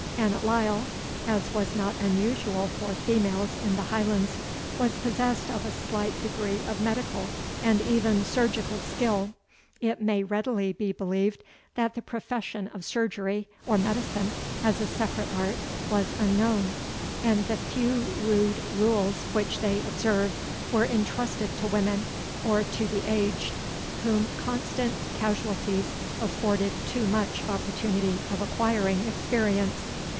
Annot Lyle, as was not unusual for females in the Highlands, was possessed of a slight degree of medical and even surgical skill. It may readily be believed, that the profession of surgery, or medicine, as a separate art, was unknown; and the few rude rules which they observed were intrusted to women, or to the aged, whom constant casualties afforded too much opportunity of acquiring experience.